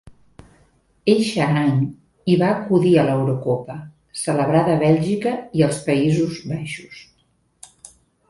Eixe any, hi va acudir a l'Eurocopa, celebrada a Bèlgica i els Països Baixos.